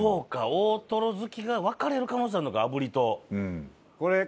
大トロ好きが分かれる可能性あるのか炙りと。